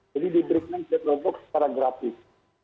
jadi diberikan cetel box secara gratis